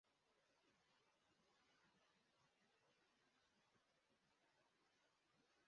Abantu bashiraho itsinda